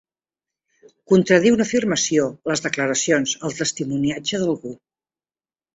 Contradir una afirmació, les declaracions, el testimoniatge, d'algú.